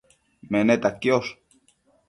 Meneta quiosh